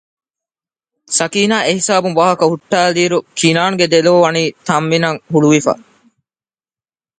ސަކީނާ އެހިސާބުން ވާހަކަ ހުއްޓައިލިއިރު ކިނާންގެ ދެލޯވަނީ ތަންމިނަށް ހުޅުވިފަ